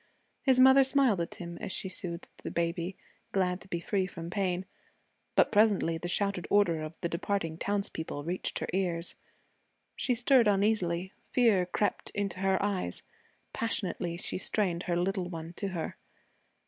His mother smiled at him as she soothed the baby, glad to be free from pain. But presently the shouted order of the departing townspeople reached her ears. She stirred uneasily. Fear crept into her eyes. Passionately she strained her little one to her.